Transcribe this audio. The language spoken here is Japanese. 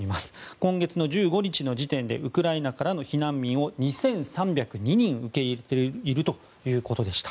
今月の１５日の時点でウクライナからの避難民を２３０２人受け入れているということでした。